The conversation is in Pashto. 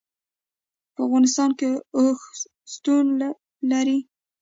په افغانستان کې اوښ شتون لري.